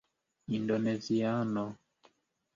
indoneziano